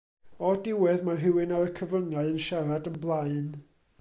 O'r diwedd mae rhywun ar y cyfryngau yn siarad yn blaen